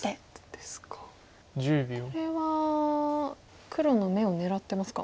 これは黒の眼を狙ってますか。